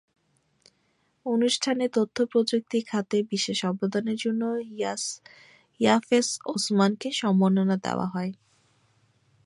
অনুষ্ঠানে তথ্যপ্রযুক্তি খাতে বিশেষ অবদানের জন্য ইয়াফেস ওসমানকে সম্মাননা দেওয়া হয়।